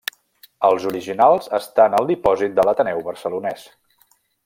Els originals estan al dipòsit de l’Ateneu Barcelonès.